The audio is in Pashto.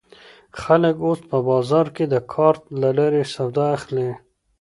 خلک اوس په بازار کې د کارت له لارې سودا اخلي.